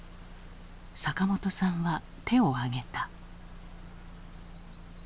坂本さんは手を挙げた。